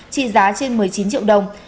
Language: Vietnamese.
trị giá trên một mươi chín triệu đồng